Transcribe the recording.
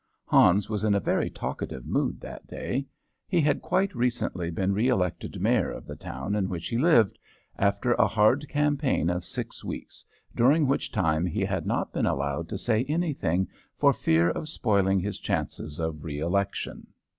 Hans was in a very talkative mood that day. He had quite recently been re elected Mayor of the town in which he lived, after a hard campaign of six weeks, during which time he had not been allowed to say anything, for fear of spoiling his chances of reelection.